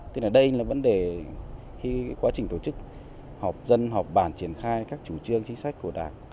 thế là đây là vấn đề khi quá trình tổ chức họp dân họp bản triển khai các chủ trương chính sách của đảng